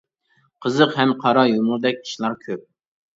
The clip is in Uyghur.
قىزىق ھەم قارا يۇمۇردەك ئىشلار كۆپ.